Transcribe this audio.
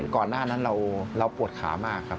ก่อนหน้านั้นเราปวดขามากครับ